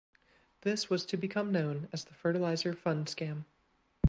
This was to become known as the Fertilizer Fund scam.